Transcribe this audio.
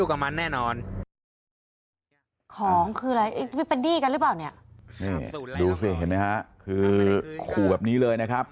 คู่แบบนี้เลยนะครับ